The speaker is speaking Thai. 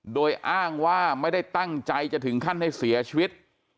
โดยอ้างว่าไม่ได้ตั้งใจจะถึงขั้นให้เสียชีวิต